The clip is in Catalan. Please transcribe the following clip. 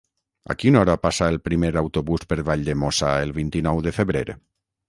A quina hora passa el primer autobús per Valldemossa el vint-i-nou de febrer?